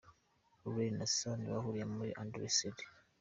Lauren na Sam bahuriye muri 'Undressed'.